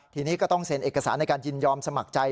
ทีนี้ก็ต้องเซ็นเอกสารในการยินยอมสมัครใจ